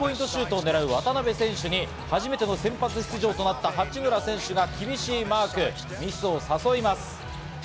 シュートを狙う渡邊選手に初めての先発出場となった八村選手が厳しいマーク、ミスを誘います。